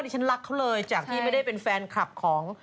ฉันรักเขาเลยจากที่ไม่ได้เป็นแฟนคลับของ